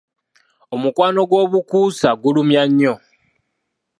Omukwano ogw'obukuusa gulumya nnyo.